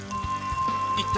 一体